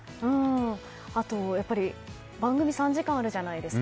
あと、やっぱり番組、３時間あるじゃないですか。